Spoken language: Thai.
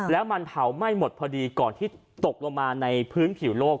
แล้วมันเผาไหม้หมดพอดีก่อนที่ตกลงมาในพื้นผิวโลก